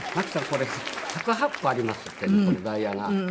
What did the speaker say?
これ１０８個あります」ってこのダイヤが。